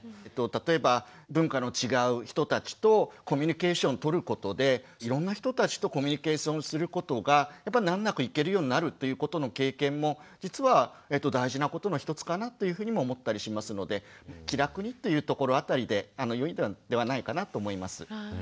例えば文化の違う人たちとコミュニケーションとることでいろんな人たちとコミュニケーションすることがやっぱり難なくいけるようになるっていうことの経験も実は大事なことの一つかなというふうにも思ったりしますので気楽にというところ辺りでよいのではないかなと思います。